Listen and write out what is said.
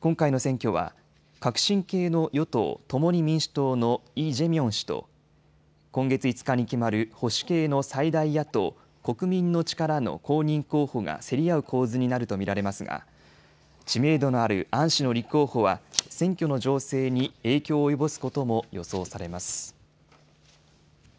今回の選挙は革新系の与党共に民主党のイ・ジェミョン氏と今月５日に決まる保守系の最大野党国民の力の公認候補が競り合う構図になると見られますが知名度のあるアン氏の立候補は選挙の情勢に影響を及ぼすことも予想されます。